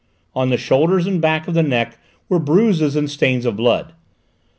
On the shoulders and back of the neck were bruises and stains of blood.